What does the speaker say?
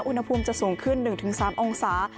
อุณหภูมิจะสูงขึ้น๑๓องศา